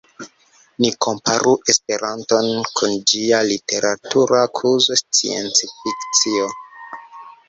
Ni komparu Esperanton kun ĝia literatura kuzo sciencfikcio.